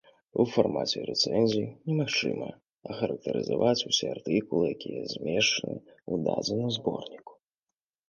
У фармаце рэцэнзіі немагчыма ахарактарызаваць усе артыкулы, якія змешчаны ў дадзеным зборніку.